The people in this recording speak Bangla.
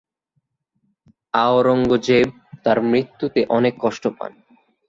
আওরঙ্গজেব তার মৃত্যুতে অনেক কষ্ট পান।